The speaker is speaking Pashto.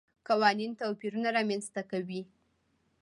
قوانین توپیرونه رامنځته کوي.